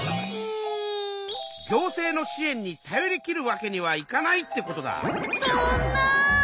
行政の支えんに頼りきるわけにはいかないってことだ。